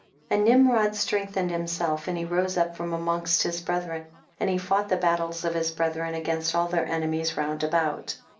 31. And Nimrod Strengthened himself, and he rose up from amongst his brethren, and he fought the bat tles of his brethren against all their enemies round about.